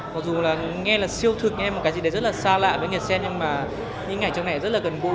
mặc dù nghe là siêu thực nghe là một cái gì đó rất là xa lạ với người xem nhưng mà những ngày trước này rất là gần bôi